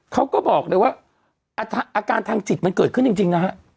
เขาก็บอกเลยว่าอาการทางจิตมันเกิดขึ้นจริงนะฮะ